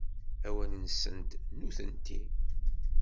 Awal-nsent, nutenti.